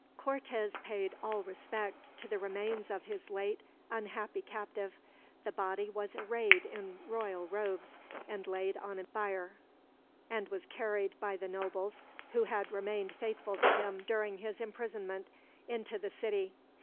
Cortez paid all respect to the remains of his late unhappy captive. The body was arrayed in royal robes, and laid on a bier; and was carried, by the nobles who had remained faithful to him during his imprisonment, into the city.